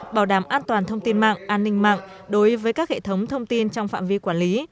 bảo đảm an toàn thông tin mạng an ninh mạng đối với các hệ thống thông tin trong phạm vi quản lý